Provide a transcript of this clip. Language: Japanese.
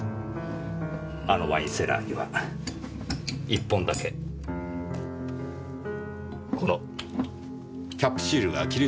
あのワインセラーには１本だけこのキャップシールが切り取られたボトルがありました。